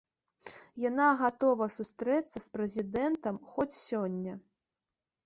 Яна гатова сустрэцца з прэзідэнтам хоць сёння.